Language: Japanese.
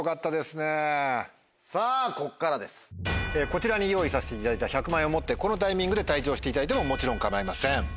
こちらに用意させていただいた１００万円を持ってこのタイミングで退場していただいてももちろん構いません。